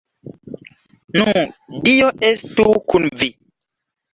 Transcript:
Nu, dio estu kun vi.